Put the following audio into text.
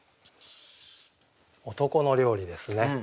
「男の料理」ですね。